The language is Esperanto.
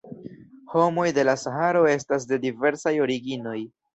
Homoj de la Saharo estas de diversaj originoj.